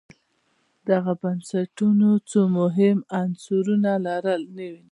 دغو بنسټونو څو مهم عناصر لرل